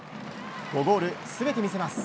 ５ゴール全て見せます。